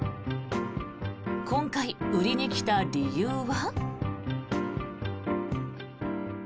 今回、売りに来た理由は。